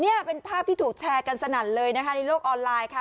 นี่เป็นภาพที่ถูกแชร์กันสนั่นเลยนะคะในโลกออนไลน์ค่ะ